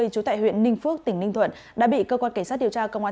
trú tại huyện ninh phước tỉnh ninh thuận đã bị cơ quan kỳ sát điều tra công an